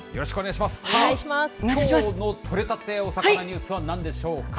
きょうの取れたておさかなニュースはなんでしょうか。